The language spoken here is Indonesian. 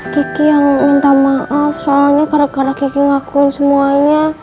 kiki yang minta maaf soalnya gara gara kiki ngakuin semuanya